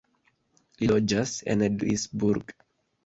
Li loĝas en Duisburg.